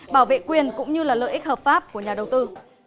bảo vệ quyền cũng như là lợi ích hợp pháp của nhà đầu tư